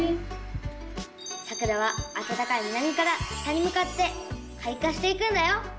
さくらはあたたかい南から北にむかってかい花していくんだよ。